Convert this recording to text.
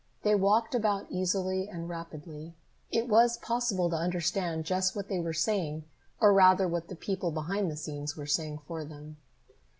They walked about easily and rapidly. It was possible to understand just what they were saying, or rather, what the people behind the scenes were saying for them.